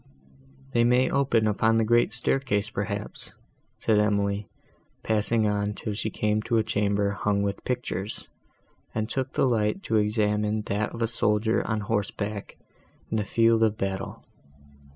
"They may open upon the great staircase, perhaps," said Emily, passing on till she came to a chamber, hung with pictures, and took the light to examine that of a soldier on horseback in a field of battle.